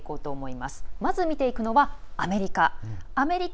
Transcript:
まず見ていくのはアメリカ。